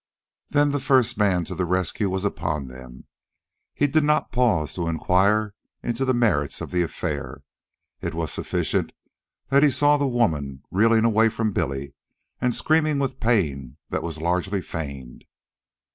Then the first man of the rescue was upon them. He did not pause to inquire into the merits of the affair. It was sufficient that he saw the woman reeling away from Billy and screaming with pain that was largely feigned.